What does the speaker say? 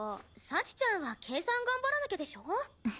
幸ちゃんは計算頑張らなきゃでしょ？